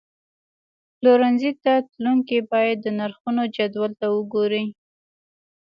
پلورنځي ته تلونکي باید د نرخونو جدول ته وګوري.